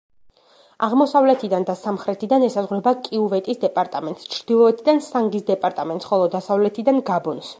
აღმოსავლეთიდან და სამხრეთიდან ესაზღვრება კიუვეტის დეპარტამენტს, ჩრდილოეთიდან სანგის დეპარტამენტს, ხოლო დასავლეთიდან გაბონს.